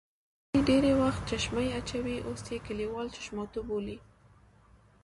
علي ډېری وخت چشمې اچوي اوس یې کلیوال چشماټو بولي.